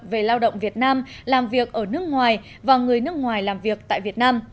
về lao động việt nam làm việc ở nước ngoài và người nước ngoài làm việc tại việt nam